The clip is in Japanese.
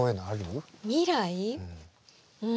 うん。